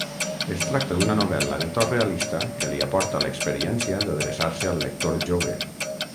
Es tracta d'una novel·la de to realista que li aporta l'experiència d'adreçar-se al lector jove.